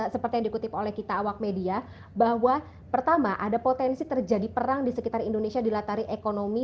seperti yang dikutip oleh kita awak media bahwa pertama ada potensi terjadi perang di sekitar indonesia di latari ekonomi